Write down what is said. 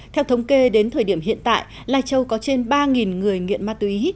theo thống kê đến thời điểm hiện tại lai châu có trên ba người nghiện ma túy